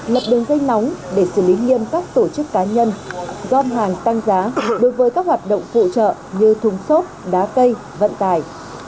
lập đường dây nóng để xử lý nghiêm các tổ chức cá nhân dom hàng tăng giá đối với các hoạt động phụ trợ như thùng xốp đá cây vận tải